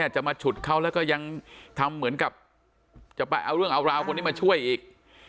จะมาฉุดเขาแล้วก็ยังทำเหมือนกับจะไปเอาเรื่องเอาราวคนนี้มาช่วยอีก